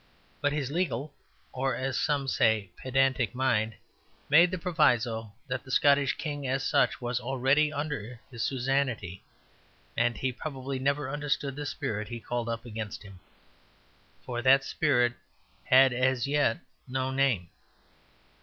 But his legal, or, as some would say, pedantic mind made the proviso that the Scottish king as such was already under his suzerainty, and he probably never understood the spirit he called up against him; for that spirit had as yet no name.